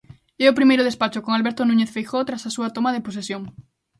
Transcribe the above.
É o primeiro despacho con Alberto Núñez Feijóo tras a súa toma de posesión.